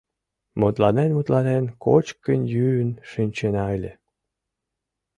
Мутланен-мутланен, кочкын-йӱын шинчена ыле.